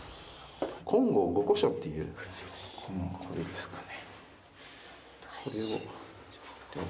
金剛五鈷杵っていうこれですかね。